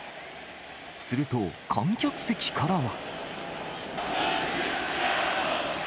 すると、観客席からは。